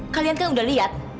kalian kan udah liat